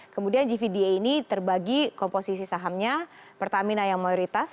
kemudian gvda ini terbagi komposisi sahamnya pertamina yang mayoritas